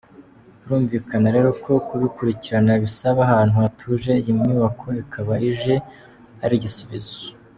Birumvikana rero ko kubikurikirana bisaba ahantu hatuje iyi nyubako ikaba ije ari igisubizo”.